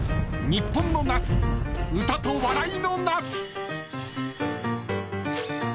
日本の夏歌と笑いの夏。